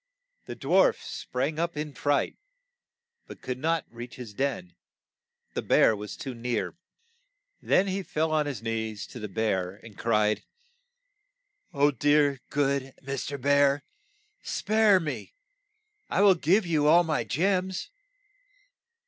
The dwarf sprang up in a fright, but could not reach his den, the bear was too near. Then he fell on his knees to the bear and cried, "O, dear, good Mr. Bear, spare me ! I will give you all my gems.